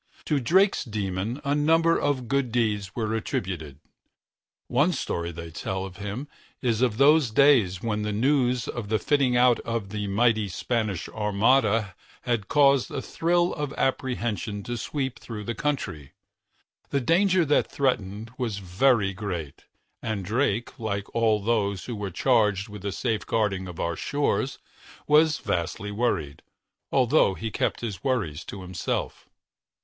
To Drake's demon a number of good deeds are attributed. One story they tell of him is of those days when the news of the fitting out of the mighty Spanish Armada had caused a thrill of apprehension to sweep through the country. The danger that threatened was very great, and Drake, like all of those who were charged with the safeguarding of our shores, was vastly worried, although he kept his worries to himself.